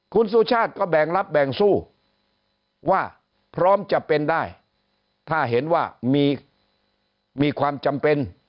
คุณสุชาติก็แบ่งรับแบ่งสู้ว่าพร้อมจะเป็นได้ถ้าเห็นว่ามีความจำเป็น